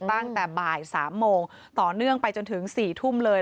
ตั้งแต่บ่าย๓โมงต่อเนื่องไปจนถึง๔ทุ่มเลย